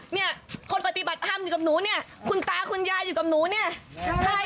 เนี้ยคนปฏิบัติธรรมอยู่กับหนูเนี้ยคุณตาคุณยายอยู่กับหนูเนี้ยให้ไปสักทีพยานให้หนูหน่อย